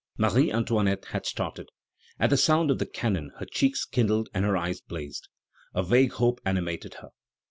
Marie Antoinette had started. At the sound of the cannon her cheeks kindled and her eyes blazed. A vague hope animated her.